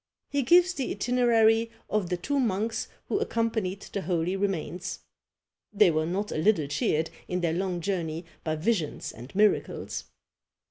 He gives the itinerary of the two monks who accompanied the holy remains. They were not a little cheered in their long journey by visions and miracles.